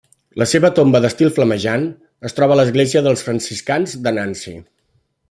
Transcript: La seva tomba d'estil flamejant es troba a l'església dels Franciscans de Nancy.